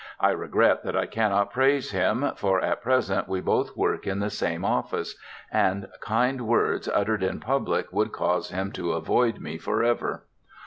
I regret that I cannot praise him, for at present we both work in the same office, and kind words uttered in public would cause him to avoid me forever.